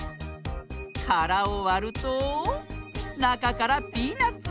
からをわるとなかからピーナツが！